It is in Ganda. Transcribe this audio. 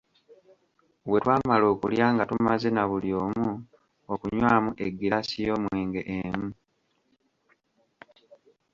Bwe twamala okulya nga tumaze na buli omu okunywamu eggiraasi y'omwenge emu.